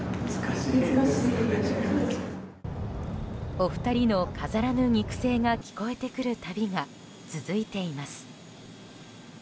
お二人の飾らぬ肉声が聞こえてくる旅が続いています。